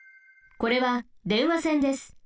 これは電話線です。